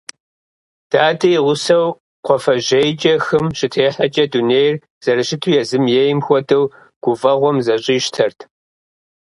Дадэ и гъусэу кхъуафэжьейкӀэ хым щытехьэкӀэ, дунейр зэрыщыту езым ейм хуэдэу, гуфӀэгъуэм зэщӀищтэрт.